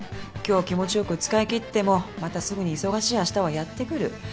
今日気持ち良く使い切ってもまたすぐに忙しいあしたはやって来る。